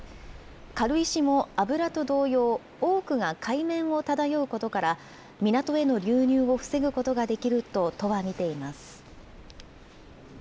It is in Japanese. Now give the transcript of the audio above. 軽石も油と同様、多くが海面を漂うことから、港への流入を防ぐことができると都は見ています。